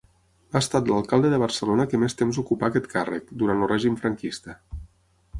Ha estat l'alcalde de Barcelona que més temps ocupà aquest càrrec, durant el règim franquista.